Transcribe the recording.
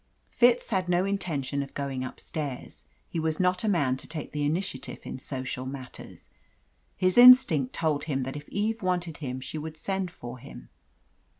Fitz had no intention of going upstairs. He was not a man to take the initiative in social matters. His instinct told him that if Eve wanted him she would send for him.